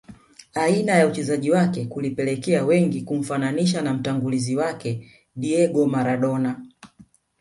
Aina ya uchezaji wake kulipelekea wengi kumfananisha na mtangulizi wake Diego Maradona